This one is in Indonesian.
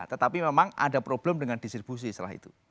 tetapi memang ada problem dengan distribusi setelah itu